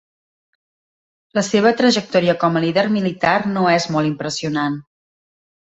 La seva trajectòria com a líder militar no és molt impressionant.